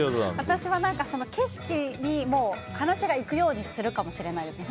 私は景色に話がいくようにするかもしれないですね。